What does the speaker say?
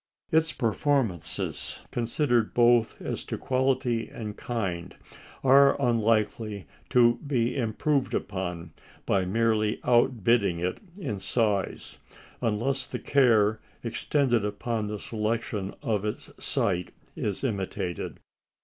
Its performances, considered both as to quality and kind, are unlikely to be improved upon by merely outbidding it in size, unless the care expended upon the selection of its site be imitated.